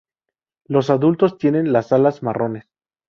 Los adultos tienen las alas marrones.